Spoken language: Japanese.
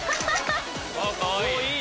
かわいい！